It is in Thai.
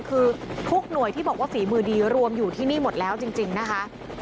คือทุกหน่วยที่บอกว่าฝีมือดีรวมอยู่ที่นี่หมดแล้วจริงนะคะ